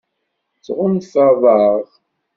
Tɣunfaḍ-aɣ?